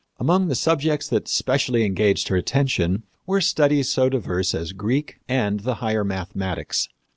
Among the subjects that specially engaged her attention were studies so diverse as Greek and the higher mathematics.